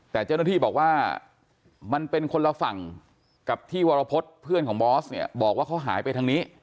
แต่เจ้าหน้าที่บอกว่ามันเป็นคนละฝั่งกับที่วรพฤษเพื่อนของบอสเนี่ยบอกว่าเขาหายไปทางนี้